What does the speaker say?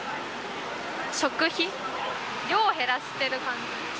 食費？量を減らしている感じ。